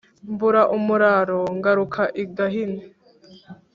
mbura umuraro ngaruka i gahini